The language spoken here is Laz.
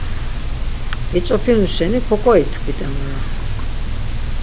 Yeç̌opinu şeni koǩoitkvit emoras.